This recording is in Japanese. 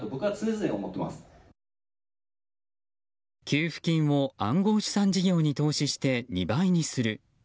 給付金を暗号資産事業に投資して２倍にする。